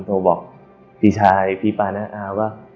โทรบอกพี่ชายพี่ปาน้าอาว่า